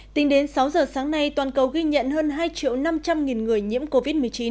tính đến sáu giờ sáng nay toàn cầu ghi nhận hơn hai triệu năm trăm linh nghìn người nhiễm covid một mươi chín